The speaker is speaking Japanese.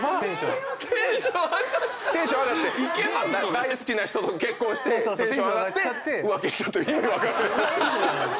大好きな人と結婚してテンション上がって浮気したって意味分からない。